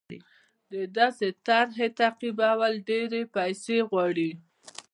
د داسې طرحې تطبیقول ډېرې پیسې غواړي.